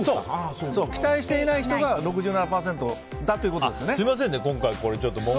期待していない人が６７％だということですよね。